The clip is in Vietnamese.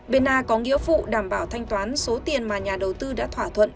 bên a có nghĩa phụ đảm bảo thanh toán số tiền mà nhà đầu tư đã thỏa thuận